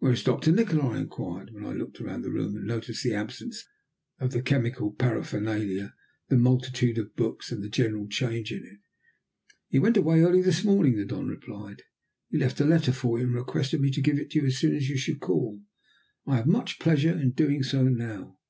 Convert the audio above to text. "Where is Doctor Nikola?" I inquired, when I had looked round the room and noticed the absence of the chemical paraphernalia, the multitude of books, and the general change in it. "He went away early this morning," the Don replied. "He left a letter for you, and requested me to give it you as soon as you should call. I have much pleasure in doing so now."